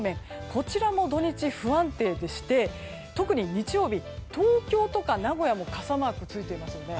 こちらも土日、不安定でして特に日曜日、東京とか名古屋も傘マークがついてますよね。